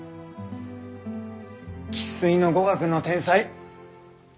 生っ粋の語学の天才。